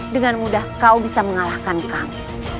dengan mudah kau bisa mengalahkan kami